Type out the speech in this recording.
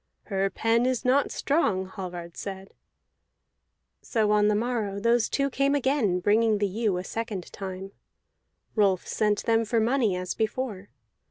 "Her pen is not strong," Hallvard said. So on the morrow those two came again, bringing the ewe a second time; Rolf sent them for money as before.